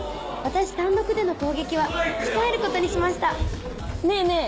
単独での攻撃は控えることにしましたねえねえ